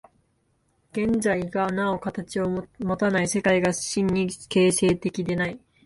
現在がなお形をもたない、世界が真に形成的でない。